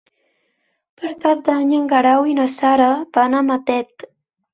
Per Cap d'Any en Guerau i na Sara van a Matet.